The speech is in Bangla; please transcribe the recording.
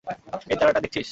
ওই তারাটা দেখছিস?